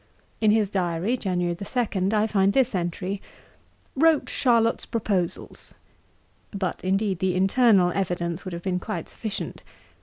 In his diary, January 2, I find this entry: 'Wrote Charlotte's Proposals.' But, indeed, the internal evidence would have been quite sufficient.